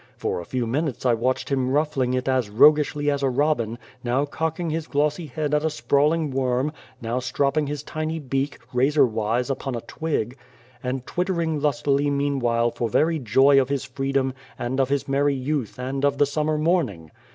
For a few minutes I watched him ruffling it as roguishly as a robin, now cocking his glossy head at a sprawling worm, now stropping his tiny beak, 106 Beyond the Door razor wise, upon a twig, and twittering lustily meanwhile for very joy of his freedom and of his merry youth and of the summer morning.